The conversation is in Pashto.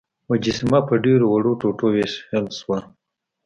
مجسمه په ډیرو وړو ټوټو ویشل شوه.